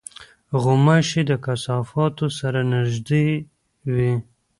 غوماشې د کثافاتو سره نزدې وي.